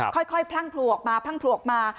ค่อยพลั่งโผล่ออกมาพรั่งผลวกมา